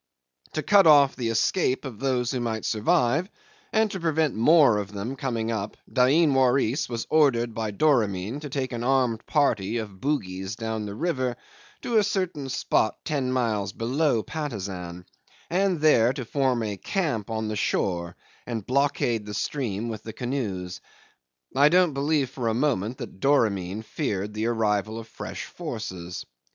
To cut off the escape of those who might survive, and to prevent more of them coming up, Dain Waris was ordered by Doramin to take an armed party of Bugis down the river to a certain spot ten miles below Patusan, and there form a camp on the shore and blockade the stream with the canoes. I don't believe for a moment that Doramin feared the arrival of fresh forces.